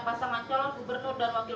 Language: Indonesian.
pasangan calon gubernur dan wakil